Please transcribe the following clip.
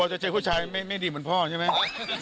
จะเจอผู้ชายไม่ดีเหมือนพ่อใช่ไหม